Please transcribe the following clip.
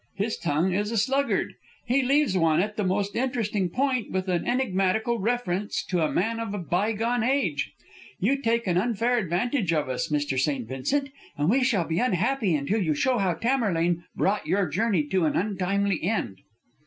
"His tongue is a sluggard. He leaves one at the most interesting point with an enigmatical reference to a man of a bygone age. You take an unfair advantage of us, Mr. St. Vincent, and we shall be unhappy until you show how Tamerlane brought your journey to an untimely end."